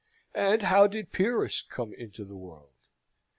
And how did Pyrrhus come into the world?